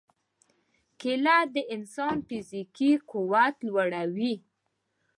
کېله د انسان فزیکي قوت لوړوي.